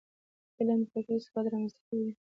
علم فکري ثبات رامنځته کوي.